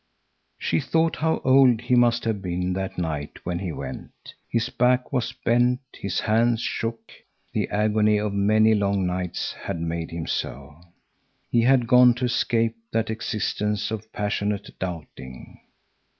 She thought how old he must have been that night when he went. His back was bent, his hands shook. The agony of many long nights had made him so. He had gone to escape that existence of passionate doubting.